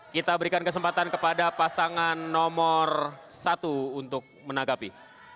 kita berikan kesempatan kepada pasangan nomor satu untuk menanggapi